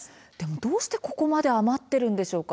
どうしてここまで余っているんでしょうか。